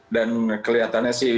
dan kelihatannya sih